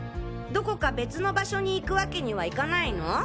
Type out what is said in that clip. どこか別の場所に行くわけにはいかないの？